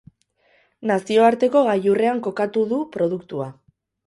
Nazioarteko gailurrean kokatu du produktua.